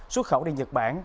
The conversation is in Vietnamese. xuất khẩu điênh nhật bản